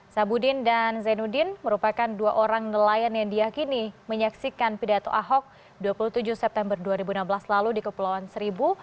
sabudin dan zainuddin merupakan dua orang nelayan yang diakini menyaksikan pidato ahok dua puluh tujuh september dua ribu enam belas lalu di kepulauan seribu